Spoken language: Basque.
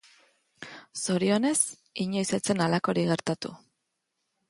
Zorionez, inoiz ez zen halakorik gertatu.